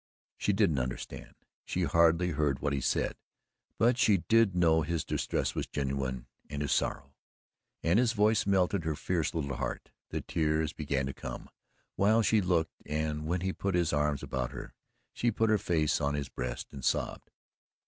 She didn't understand she hardly heard what he said, but she did know his distress was genuine and his sorrow: and his voice melted her fierce little heart. The tears began to come, while she looked, and when he put his arms about her, she put her face on his breast and sobbed.